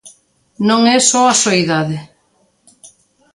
Non é só a soidade.